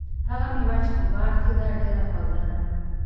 هغه مېوه چې په باغ کې ده، ډېره خوږه ده.